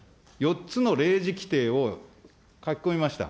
４つの例示規定を書き込みました。